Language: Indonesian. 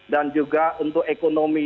dan juga untuk ekonomi